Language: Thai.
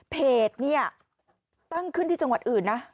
เพจเนี่ยตั้งขึ้นที่จังหวัดอื่นนะ